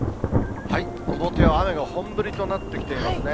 表は雨が本ぶりとなってきていますね。